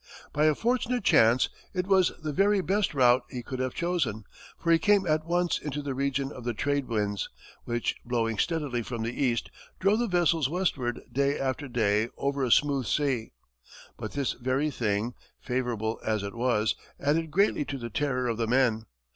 By a fortunate chance, it was the very best route he could have chosen, for he came at once into the region of the trade winds, which, blowing steadily from the east, drove the vessels westward day after day over a smooth sea. But this very thing, favorable as it was, added greatly to the terror of the men.